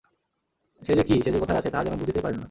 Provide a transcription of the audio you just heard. সে যে কী, সে যে কোথায় আছে, তাহা যেন বুঝিতেই পারিল না।